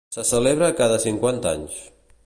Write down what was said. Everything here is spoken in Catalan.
Se celebra cada cinquanta anys.